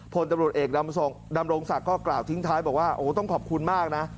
พลตำรวจเอกดำรงศักดิ์ก็กล่าวทิ้งท้ายบอกว่าโอ้ต้องขอบคุณมากนะ